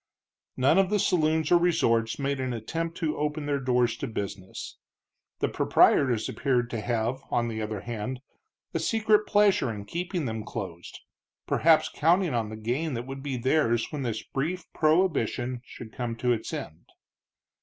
None of the saloons or resorts made an attempt to open their doors to business. The proprietors appeared to have, on the other hand, a secret pleasure in keeping them closed, perhaps counting on the gain that would be theirs when this brief prohibition should come to its end.